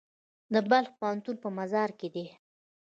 د بلخ پوهنتون په مزار کې دی